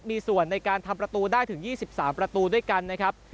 มีส่วนในการทำประตูได้ถึง๒๓ประตูด้วยกันนะครับ